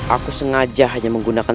aku sengaja hanya menggunakan